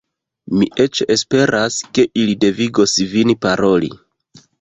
Mi eĉ esperas, ke ili devigos vin paroli.